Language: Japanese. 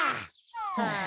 はあ。